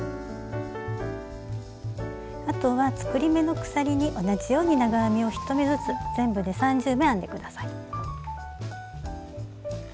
あとは作り目の鎖に同じように長編みを１目ずつ全部で３０目編んで下さい。